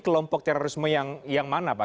kelompok terorisme yang mana pak